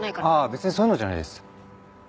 別にそういうのじゃないです。